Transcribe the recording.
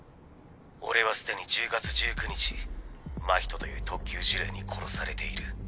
俺はすでに１０月１９日真人という特級呪霊に殺されている。